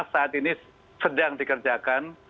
saat ini sedang dikerjakan